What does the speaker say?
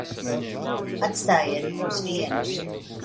Atstājiet mūs vienus.